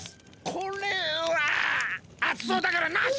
これはあつそうだからなし！